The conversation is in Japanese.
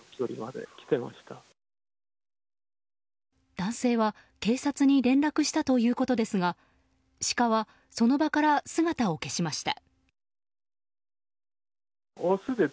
男性は警察に連絡したということですがシカはその場から姿を消しました。